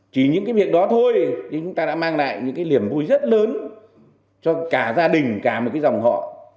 chỉ những cái việc đó thôi thì chúng ta đã mang lại những cái liềm vui rất lớn cho cả gia đình cả một cái dòng họ